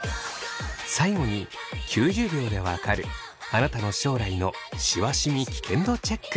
最後に９０秒で分かるあなたの将来のシワシミ危険度チェック。